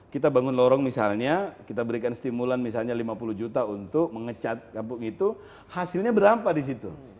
kita bangun lorong misalnya kita berikan stimulan misalnya lima puluh juta untuk mengecat kampung itu hasilnya berapa di situ